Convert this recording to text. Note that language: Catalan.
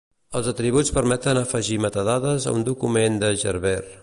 Els atributs permeten afegir metadades a un document de Gerber.